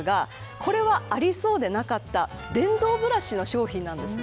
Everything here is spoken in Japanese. これは、ありそうでなかった電動ブラシの商品です。